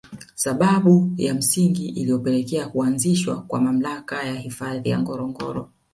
Sababu ya msingi iliyopelekea kuanzishwa kwa mamlaka ya Hifadhi ya Ngorongoro